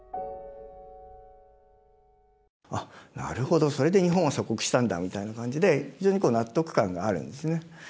あっなるほどそれで日本は鎖国したんだみたいな感じで非常に納得感があるんですね。